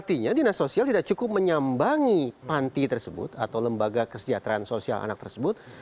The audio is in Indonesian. artinya dinas sosial tidak cukup menyambangi panti tersebut atau lembaga kesejahteraan sosial anak tersebut